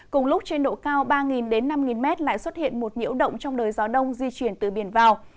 cùng lúc trên độ cao ba đến năm m lại xuất hiện một nhiễu động trong đời gió đông di chuyển từ biển vào